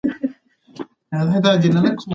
آیا ټولنپوهنه یوازې د تاریخي پېښو مطالعه ده؟